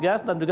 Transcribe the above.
dan kami juga